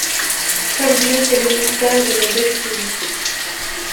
Seul Dieu sait le mystère de nos destinées.